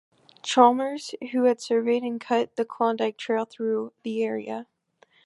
Chalmers, who had surveyed and cut the Klondike Trail through the area.